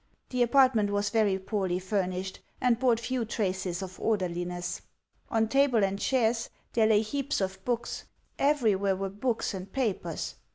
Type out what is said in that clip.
The apartment was very poorly furnished, and bore few traces of orderliness. On table and chairs there lay heaps of books; everywhere were books and papers.